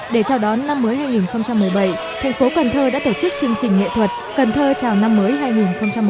để chào đón năm mới hai nghìn một mươi bảy thành phố cần thơ đã tổ chức chương trình nghệ thuật cần thơ chào năm mới hai nghìn một mươi chín